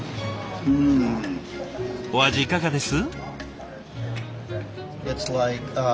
お味いかがです？